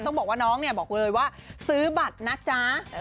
ต้องบอกว่าน้องเนี่ยบอกเลยว่าซื้อบัตรนะจ๊ะ